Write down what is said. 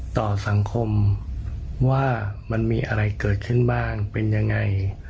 ต่อสังคมว่ามันมีอะไรเกิดขึ้นบ้างเป็นยังไง